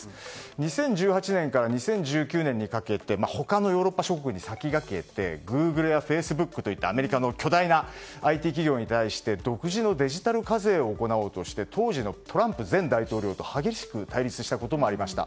２０１８年から２０１９年にかけて他のヨーロッパ諸国に先駆けてグーグルやフェイスブックといったアメリカの巨大なＩＴ企業に対して独自のデジタル課税を行おうとして当時のトランプ前大統領と激しく対立したこともありました。